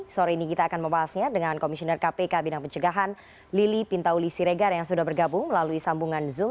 sore ini kita akan membahasnya dengan komisioner kpk bidang pencegahan lili pintauli siregar yang sudah bergabung melalui sambungan zoom